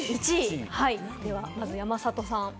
まず山里さん。